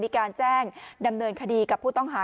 มีการแจ้งดำเนินคดีกับผู้ต้องหา